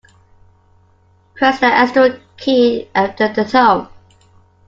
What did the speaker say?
Press the asterisk key after the tone.